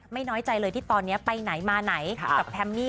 น้อยใจเลยที่ตอนนี้ไปไหนมาไหนกับแพมมี่